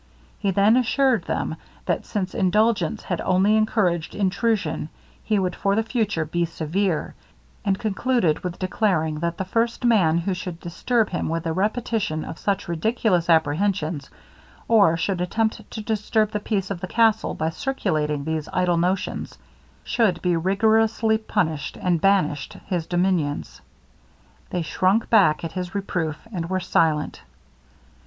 He then assured them, that since indulgence had only encouraged intrusion, he would for the future be severe; and concluded with declaring, that the first man who should disturb him with a repetition of such ridiculous apprehensions, or should attempt to disturb the peace of the castle by circulating these idle notions, should be rigorously punished, and banished his dominions. They shrunk back at his reproof, and were silent.